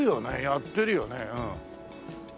やってるよねうん。